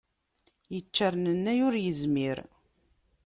Iččernennay ur izmir.